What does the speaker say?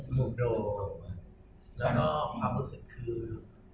หมูโดแล้วก็ความรู้สึกคือ